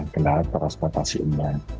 kendaraan transportasi umum